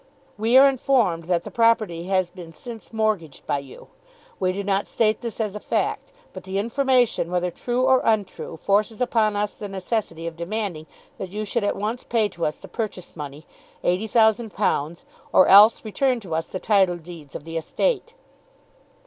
We are informed that the property has been since mortgaged by you. We do not state this as a fact. But the information, whether true or untrue, forces upon us the necessity of demanding that you should at once pay to us the purchase money, £80,000, or else return to us the title deeds of the estate."